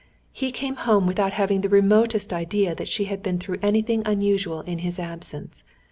He came home without having the remotest idea that she had been through anything unusual in his absence.